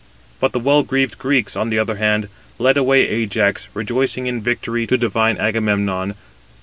But the well greaved Greeks, on the other hand, led away Ajax, rejoicing in victory, to divine Agamemnon.